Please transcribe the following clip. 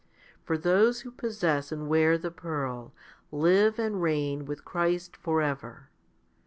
For those who possess and wear the pearl, live and reign with Christ for ever.